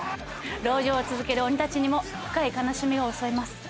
籠城を続ける鬼たちにも深い悲しみが襲います。